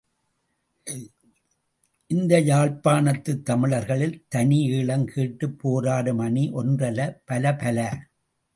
இந்த யாழ்ப் பாணத்துத் தமிழர்களில் தனி ஈழம் கேட்டுப் போராடும் அணி ஒன்றல்ல பலப்பல!